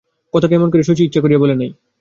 কথাটা এমন করিয়া শশী ইচ্ছা করিয়া বলে নাই।